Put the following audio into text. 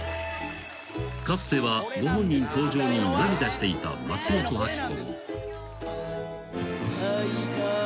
［かつてはご本人登場に涙していた松本明子も］